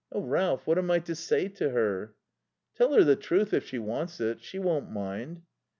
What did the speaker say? "Oh, Ralph, what am I to say to her?" "Tell her the truth, if she wants it. She won't mind."